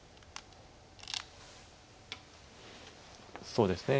そうですね